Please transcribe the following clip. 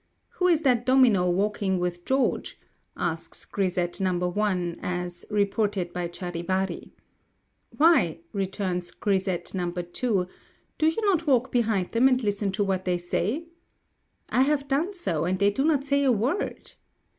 'Who is that domino walking with George?' asks Grisette No. 1, as, reported by Charivari. 'Why,' returns Grisette No. 2, 'do you not walk behind them, and listen to what they say?' 'I have done so, and they do not say a word.'